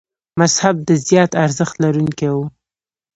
مذهب د زیات ارزښت لرونکي و.